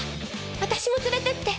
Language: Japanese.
私も連れてって」。